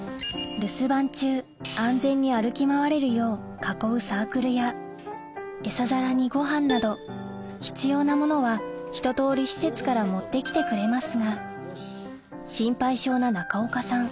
留守番中安全に歩き回れるよう囲うサークルやエサ皿にごはんなど必要なものはひと通り施設から持って来てくれますが心配性な中岡さん